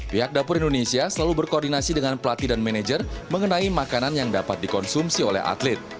pihak dapur indonesia selalu berkoordinasi dengan pelatih dan manajer mengenai makanan yang dapat dikonsumsi oleh atlet